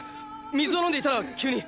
水を飲んでいたら急に。